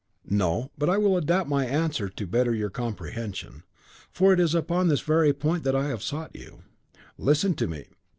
"No; but I will adapt my answer the better to your comprehension, for it is upon this very point that I have sought you. Listen to me!"